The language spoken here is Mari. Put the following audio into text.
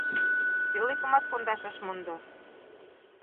Пӧлекымат кондаш ыш мондо.